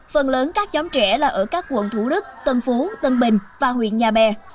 phần lớn các nhóm trẻ là ở các quận thủ đức tân phú tân bình và huyện nhà bè